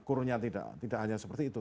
kurnya tidak hanya seperti itu